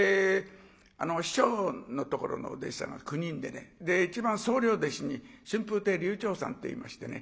師匠のところのお弟子さんが９人で一番総領弟子に春風亭柳朝さんっていましてね。